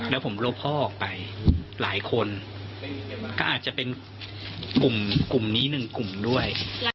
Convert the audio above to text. แล้วผมลบพ่อออกไปหลายคนก็อาจจะเป็นกลุ่มนี้หนึ่งกลุ่มด้วย